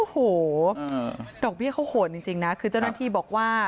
โอ้โหดอกเบี้ยเขาโหดจริงนะคือเจ้าหน้าที่บอกว่า